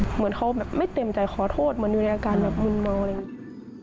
เหมือนเขาไม่เต็มใจขอโทษมันอยู่ในอาการมุนมองอะไรอย่างนี้